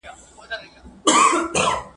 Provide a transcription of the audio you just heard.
د ګیدړ پر ځای پخپله پکښي ګیر سو ,